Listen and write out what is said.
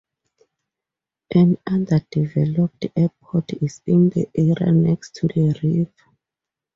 An undeveloped airport is in the area next to the river.